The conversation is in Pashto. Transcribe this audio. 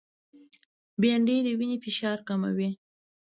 بېنډۍ د وینې فشار کموي